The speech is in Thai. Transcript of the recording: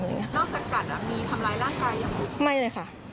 นอกจากกัดมีทำร้ายร่างกายอย่างนี้